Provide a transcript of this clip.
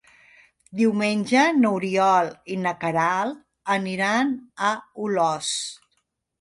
Diumenge n'Oriol i na Queralt aniran a Olost.